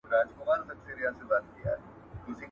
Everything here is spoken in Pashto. چي هوږه ئې نه وي خوړلې، د خولې ئې بوى نه ځي.